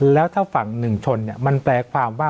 แล้วถ้าฝั่ง๑ชนเนี่ย